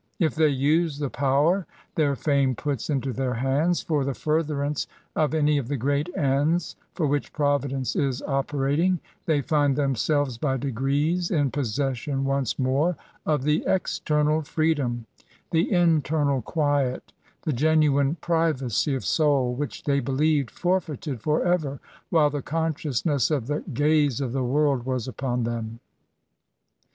If they use the power their feme puts into their hands for the fartherance of any of the great ends for which Providence is operating, they find themselves by degrees in possession once more of the external freedom, the internal quiets the genuine privacy of soul, which they believed forfeited for ever, while the consciousness of the gaze of the world was upon them.